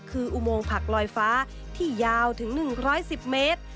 คืออุโมงผักลอยฟ้าที่ยาวถึง๑๑๐เมตร